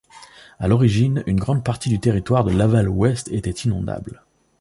À l'origine, une grande partie du territoire de Laval Ouest était inondable.